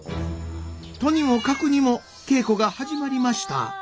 とにもかくにも稽古が始まりました。